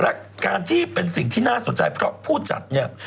และการที่เป็นสิ่งที่น่าสนใจเพราะผู้จัดเนี่ย